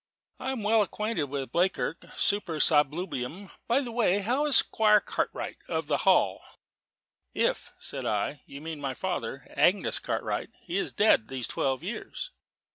I am well acquainted with Bleakirk super sabulum. By the way, how is Squire Cartwright of the Hall?" "If," said I, "you mean my father, Angus Cartwright, he is dead these twelve years."